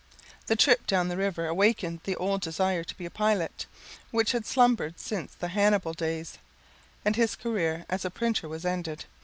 The trip down the river awakened the old desire to be a pilot, which had slumbered since the Hannibal days, and his career as a printer was ended.